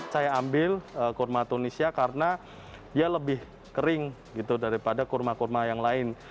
saya ambil kurma tunisia karena dia lebih kering gitu daripada kurma kurma yang lain